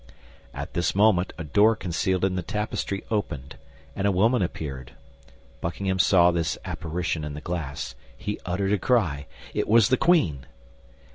At this moment a door concealed in the tapestry opened, and a woman appeared. Buckingham saw this apparition in the glass; he uttered a cry. It was the queen!